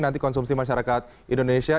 nanti konsumsi masyarakat indonesia